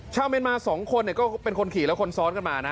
ชาวเมรมาสองคนเนี้ยก็เป็นคนขี่แล้วคนซ้อนกันมานะ